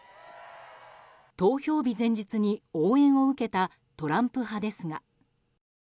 投票日前日に応援を受けたトランプ派ですが。